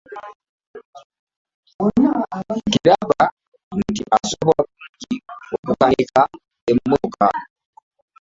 Nkiraba nti osobola bulungi okukanika mmotoka.